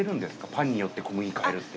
パンによって小麦変えるって。